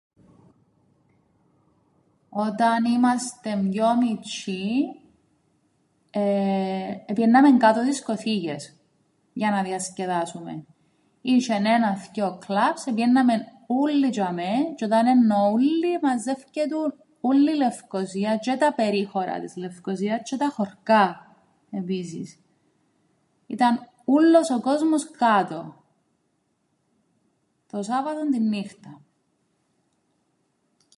Όταν ήμαστεν πιο μιτσ̆ιοί, εεε επηαίνναμεν κάτω δισκοθήκες για να διασκεδάσουμεν, είσ̆εν ένα θκυο κλαπς, επηαίνναμεν ούλλοι τζ̆ειαμαί, τζ̆αι όταν εννοώ ούλλοι, εμαζεύκετουν ούλλη η Λευκωσία τζ̆αι τα περίχωρα της Λευκωσίας τζ̆αι τα χωρκά επίσης, ήταν ούλλος ο κόσμος κάτω το Σάββατον την νύχταν.